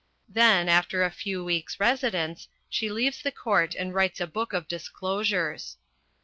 Then, after a few weeks' residence, she leaves the court and writes a book of disclosures.